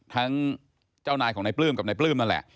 ทั้งเจ้านายของนายปลื้มกับนายปลื้มนั่นแหละ